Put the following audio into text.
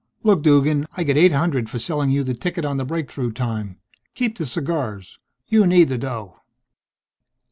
"Look, Duggan. I get eight hundred for selling you the ticket on the breakthrough time. Keep the cigars. You need the dough."